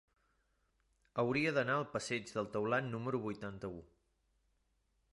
Hauria d'anar al passeig del Taulat número vuitanta-u.